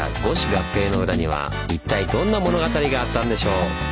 合併の裏には一体どんな物語があったんでしょう？